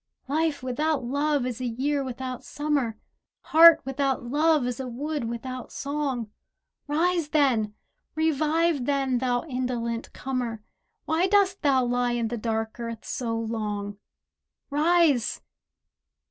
Life without love is a year without Summer, Heart without love is a wood without song. Rise then, revive then, thou indolent comer: Why dost thou lie in the dark earth so long? Rise!